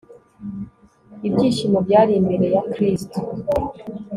Ibyishimo byari imbere ya Kristo